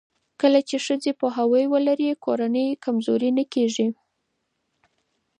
کله چې ښځې پوهاوی ولري، کورنۍ کمزورې نه کېږي.